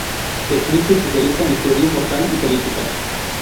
Smith se especializa en teoría moral y política.